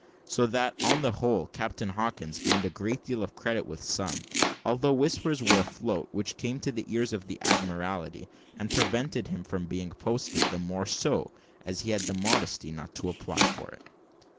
So that, on the whole, Captain Hawkins gained a great deal of credit with some; although whispers were afloat, which came to the ears of the Admiralty, and prevented him from being posted the more so, as he had the modesty not to apply for it.